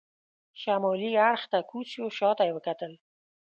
شمالي اړخ ته کوز شو، شا ته مې وکتل.